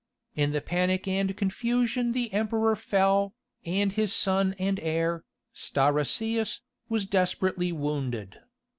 In the panic and confusion the emperor fell, and his son and heir, Stauracius, was desperately wounded.